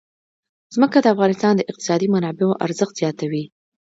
ځمکه د افغانستان د اقتصادي منابعو ارزښت زیاتوي.